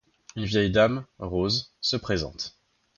Une vieille dame, Rose, se présente.